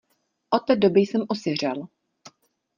Od té doby jsem osiřel.